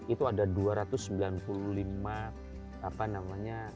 itu ada dua ratus sembilan puluh lima penilaian